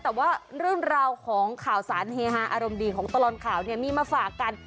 แต่ว่าเรื่องราวของข่าวสารเฮฮาอารมณ์ดีของตลอดข่าวเนี่ยมีมาฝากกัน